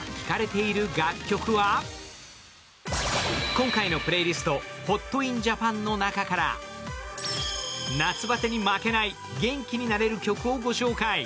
今回のプレイリスト、「ＨｏｔＩｎＪａｐａｎ」の中から夏バテに負けない元気になれる曲をご紹介。